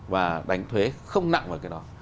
và đánh thuế không nặng vào cái đó